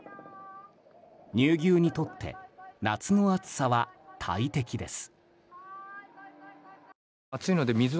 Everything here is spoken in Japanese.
乳牛にとって夏の暑さは大敵です。